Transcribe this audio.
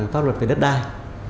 pháp luật về đất đai